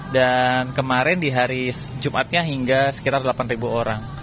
dan kemarin di hari jumatnya hingga sekitar delapan ribu orang